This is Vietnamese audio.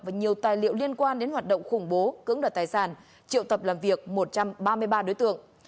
và nhiều tài liệu liên quan đến hoạt động khủng bố cưỡng đoạt tài sản triệu tập làm việc một trăm ba mươi ba đối tượng